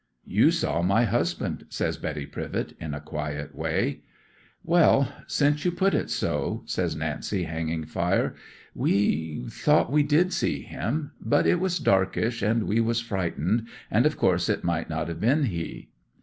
'"You saw my husband," says Betty Privett, in a quiet way. '"Well, since you put it so," says Nancy, hanging fire, "we—thought we did see him; but it was darkish, and we was frightened, and of course it might not have been he."